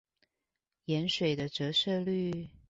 鹽水的折射率